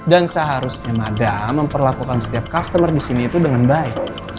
dan seharusnya mada memperlakukan setiap customer di sini itu dengan baik